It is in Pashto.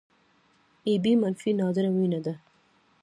اې بي منفي نادره وینه ده